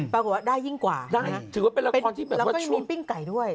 ปรากฏว่าได้ยิ่งกว่าถือว่าเป็นละครที่แบบแล้วก็ชวนปิ้งไก่ด้วย